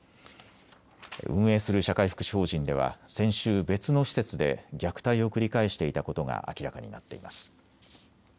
運営する社会福祉法人では先週、別の施設で虐待を繰り返していたことが明らかになっています。